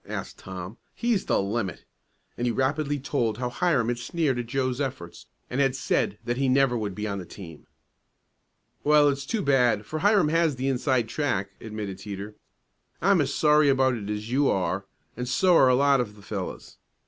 asked Tom. "He's the limit," and he rapidly told how Hiram had sneered at Joe's efforts, and had said that he never would be on the team. "Well, it's too bad, for Hiram has the inside track," admitted Teeter. "I'm as sorry about it as you are, and so are a lot of the fellows.